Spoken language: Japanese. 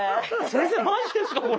先生マジですかこれ？